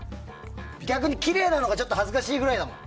逆にきれいなのが恥ずかしいくらいだもん。